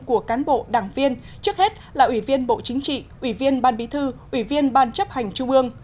của cán bộ đảng viên trước hết là ủy viên bộ chính trị ủy viên ban bí thư ủy viên ban chấp hành trung ương